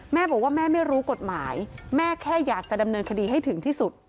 แม่บอกว่าแม่ไม่รู้กฎหมายแม่แค่อยากจะดำเนินคดีให้ถึงที่สุด